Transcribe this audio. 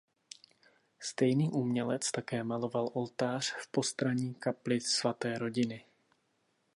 Stejný umělec také maloval oltář v postranní kapli Svaté rodiny.